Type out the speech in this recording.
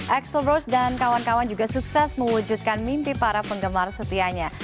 axel rose dan kawan kawan juga sukses mewujudkan mimpi para penggemar setianya